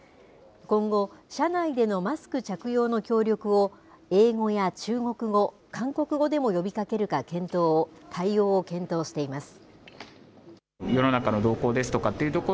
今後、車内でのマスク着用の協力を、英語や中国語、韓国語でも呼びかけるか、対応を検討しています。